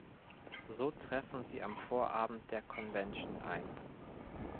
So treffen sie am Vorabend der Convention ein.